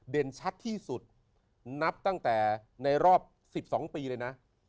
ชัดที่สุดนับตั้งแต่ในรอบ๑๒ปีเลยนะ